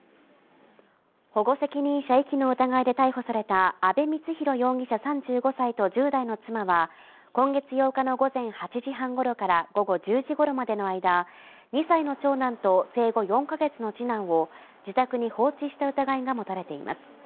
保護責任者遺棄の疑いで逮捕された阿部光浩容疑者、３５歳と１０代の妻は、今月８日の午前８時半頃から午後１０時頃までの間、２歳の長男と生後４ヶ月の二男を自宅に放置した疑いがもたれています。